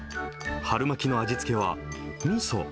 春巻の味付けはみそ。